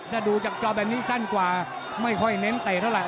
ถ้าดูจากจอแบบนี้สั้นกว่าไม่ค่อยเน้นเตะเท่าไห